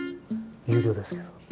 有料ですけど。